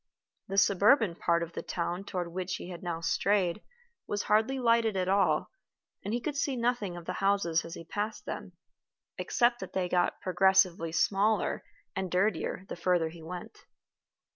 The suburban part of the town toward which he had now strayed was hardly lighted at all, and he could see nothing of the houses as he passed them, except that they got progressively smaller and dirtier the further he went.